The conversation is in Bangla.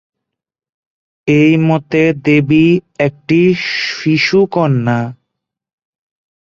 এই মতে দেবী একটি শিশুকন্যা।